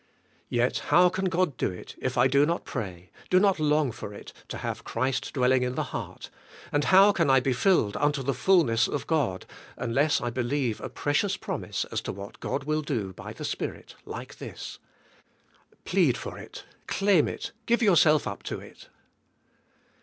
Yet how can God do it if I do not pray, do not long for it, to have Christ dv/elling in the heart; and how can I be filled unto the fullness of God unless I believe a precious promise as to what God will do by the Spirit, like this. Plead for it, claim it, give yourself up to it.